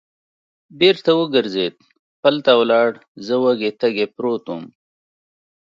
بېرته و ګرځېد، پل ته ولاړ، زه وږی تږی پروت ووم.